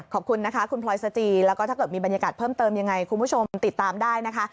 ขอบคุณนะคะคุณพลอยสจีแล้วก็ถ้าเกิดมีบรรยากาศเพิ่มเติมยังไงคุณผู้ชมติดตามได้นะคะ